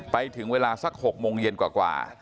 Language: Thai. ไปถึงเวลาสัก๖โมงเย็นกว่า